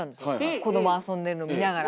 子供遊んでるの見ながら。